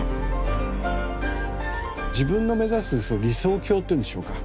自分の目指す理想郷というんでしょうか。